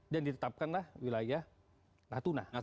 dan ditetapkanlah wilayah natuna